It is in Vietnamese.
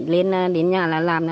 lên đến nhà là làm